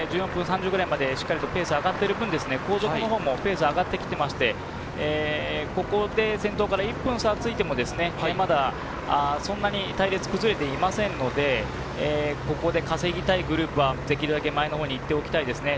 前の集団、１４分３０くらいまペースが上がっている分、後続のほうもペースが上がっていて、ここから先頭から１分差がついても、そんなに隊列崩れていませんので、ここで稼ぎたいグループはできるだけ前のほうに行っておきたいですね。